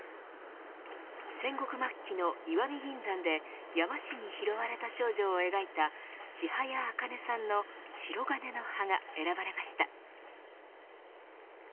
戦国末期の石見銀山で山師に拾われた少女を描いた千早茜さんのしろがねの葉、が選ばれました。